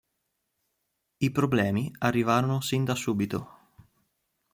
I problemi arrivarono sin da subito.